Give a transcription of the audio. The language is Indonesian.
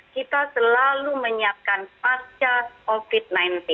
kita selalu menyiapkan pasca covid sembilan belas